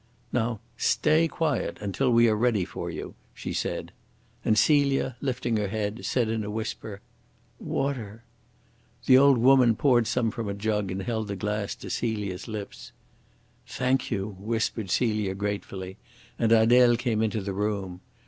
"Now stay quiet until we are ready for you," she said. And Celia, lifting her head, said in a whisper: "Water!" The old woman poured some from a jug and held the glass to Celia's lips. "Thank you," whispered Celia gratefully, and Adele came into the room.